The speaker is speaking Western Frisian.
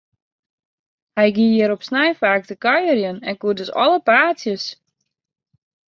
Hja gie hjir op snein faak te kuierjen, en koe dus alle paadsjes.